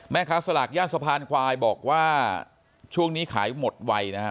สลากย่านสะพานควายบอกว่าช่วงนี้ขายหมดไวนะฮะ